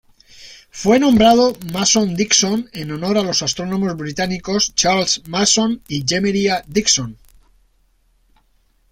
Fue nombrado Mason-Dixon en honor a los astrónomos británicos Charles Mason y Jeremiah Dixon.